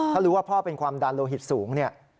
ถ้ารู้ว่าพ่อเป็นความดันโลหิตสูงเนี่ย